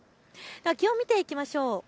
気温、見ていきましょう。